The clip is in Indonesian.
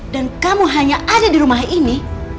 dan kamu hanya ada di rumah ini